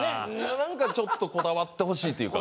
なんかちょっとこだわってほしいっていうか。